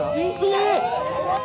えっ！？